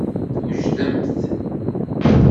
Twejdemt.